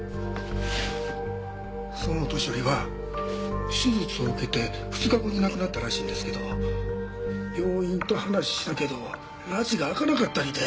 そのお年寄りは手術を受けて２日後に亡くなったらしいんですけど病院と話したけどらちが明かなかったりで。